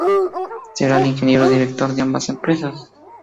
Será el ingeniero director de ambas empresas.